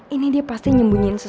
ini dia pasti nyembunyiin susu